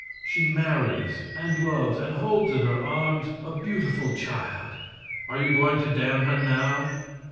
She marries and loves, and holds in her arms a beautiful child? Are you going to damn her now?